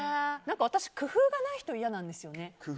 私、工夫がない人嫌なんですよね。